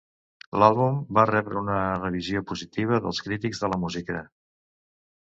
L'àlbum va rebre una revisió positiva dels crítics de la música.